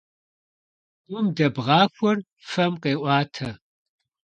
Гум дэбгъахуэр фэм къеӀуатэ.